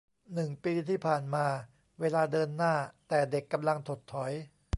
หนึ่งปีที่ผ่านมา เวลาเดินหน้า แต่เด็กกำลังถดถอย